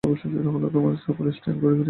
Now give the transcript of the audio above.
তোমরা সকল স্ট্রেঞ্জ, ঘুরেফিরে একই।